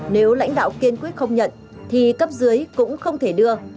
nếu lãnh đạo kiên quyết không nhận thì cấp dưới cũng không thể đưa